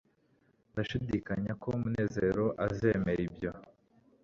ndashidikanya ko munezero azemera ibyo